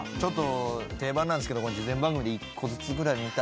定番なんですけど事前番組で１個ずつぐらい見たい。